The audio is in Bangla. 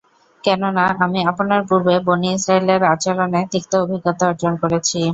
কেননা, আমি আপনার পূর্বে বনী ইসরাঈলের আচরণে তিক্ত অভিজ্ঞতা অর্জন করেছি।